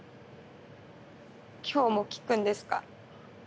今日も聞くんですか？